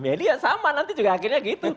ya ini ya sama nanti juga akhirnya gitu